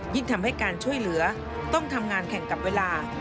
ทำให้การช่วยเหลือต้องทำงานแข่งกับเวลา